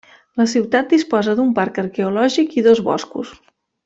La ciutat disposa d'un parc arqueològic i dos boscos.